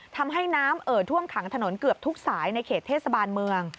ทำให้น้ำเอ่อท่วมขังถนนเกือบทุกสายในเขตเทศบาลเมือง